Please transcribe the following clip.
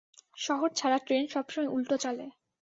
শহর ছাড়া ট্রেন সবসময় উল্টো চলে।